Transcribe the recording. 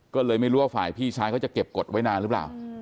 ก็เลยไม่รู้ว่าฝ่ายพี่ชายเขาจะเก็บกฎไว้นานหรือเปล่า